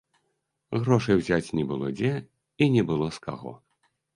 Грошай узяць не было дзе і не было з каго.